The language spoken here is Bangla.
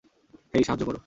হেই, সাহায্য করো!